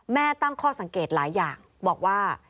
ตั้งข้อสังเกตหลายอย่างบอกว่า